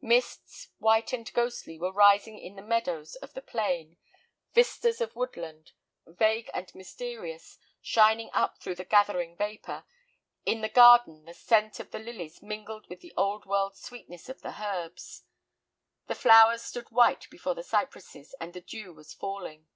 Mists, white and ghostly, were rising in the meadows of the plain, vistas of woodland, vague and mysterious, shining up through the gathering vapor. In the garden the scent of the lilies mingled with the old world sweetness of the herbs. The flowers stood white before the cypresses, and the dew was falling.